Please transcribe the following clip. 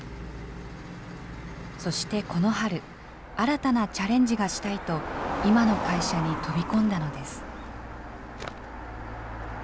そしてこの春、新たなチャレンジがしたいと、今の会社に飛び込んだのです。